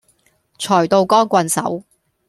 財到光棍手